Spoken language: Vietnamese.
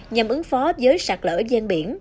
nhằm ứng phó với sạt lở dây